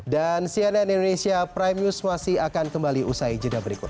dan cnn indonesia prime news masih akan kembali usai jadwal berikut